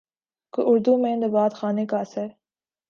کو اردو میں نبات خانے کا اثر